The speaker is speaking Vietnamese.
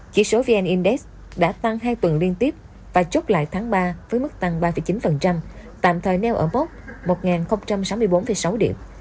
chỉ số vn index đã tăng hai tuần liên tiếp và chốt lại tháng ba với mức tăng ba chín tạm thời nêu ở mốc một sáu mươi bốn sáu điểm